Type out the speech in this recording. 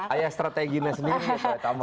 ayah strateginya sendiri